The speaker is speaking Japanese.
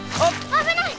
危ない！